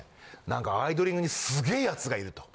何かアイドリング！！！にすげえヤツがいると。